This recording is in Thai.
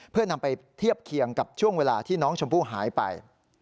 เพื่อนำไปเทียบเคียงกับช่วงเวลาที่น้องชมพู่หายไป